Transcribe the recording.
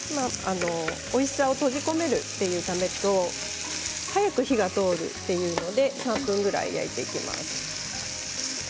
おいしさを閉じ込めるというためと早く火が通るというので３分ぐらい焼いていきます。